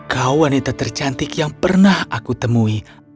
kau wanita tercantik yang pernah aku temui